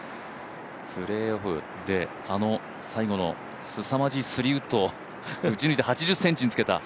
プレーオフで、あの最後のすさまじい３ウッドを打ち抜いて８０ｃｍにつけた。